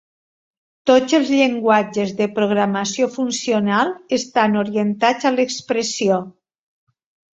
Tots els llenguatges de programació funcional estan orientats a l'expressió.